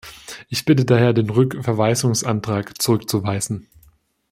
Ich bitte daher, den Rückverweisungsantrag zurückzuweisen.